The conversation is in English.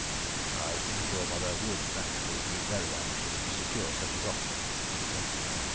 "I think your mother would naturally be very anxious to secure such a document," he said.